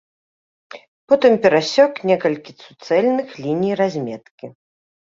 Потым перасек некалькі суцэльных ліній разметкі.